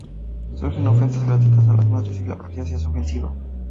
Surgen ofensas gratuitas a las madres y la poesía se hace ofensiva.